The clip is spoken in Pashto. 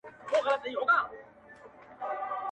جهاني به وي د شپو له کیسو تللی٫